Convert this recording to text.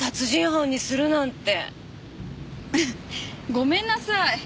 ごめんなさい。